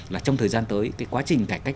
là trong thời gian tới cái quá trình cải cách